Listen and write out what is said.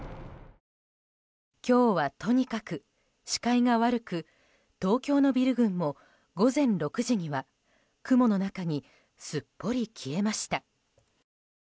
今日はとにかく視界が悪く東京のビル群も午前６時には雲の中にすっぽり消えました。